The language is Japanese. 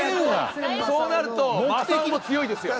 そうなると昌夫も強いですよ。